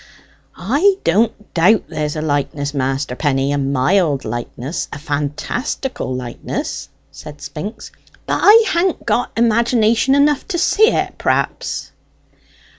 "I don't doubt there's a likeness, Master Penny a mild likeness a fantastical likeness," said Spinks. "But I han't got imagination enough to see it, perhaps."